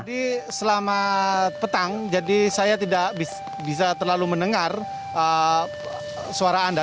jadi selama petang jadi saya tidak bisa terlalu mendengar suara anda